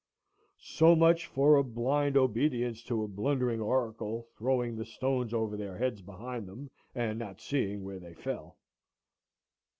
So much for a blind obedience to a blundering oracle, throwing the stones over their heads behind them, and not seeing where they fell.